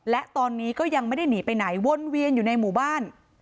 และตอนนี้ก็ยังไม่ได้หนีไปไหนวนเวียนอยู่ในหมู่บ้าน